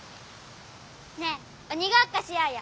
ねえおにごっこしようよ。